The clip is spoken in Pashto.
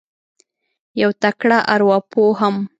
یو تکړه اروا پوه هم